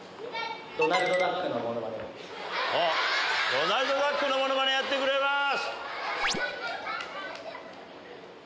ドナルドダックのモノマネやってくれます！